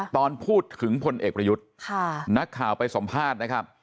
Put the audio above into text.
ตอนพูดถึงพลเอกประยุทธ์นักข่าวไปสัมภาษณ์นะครับ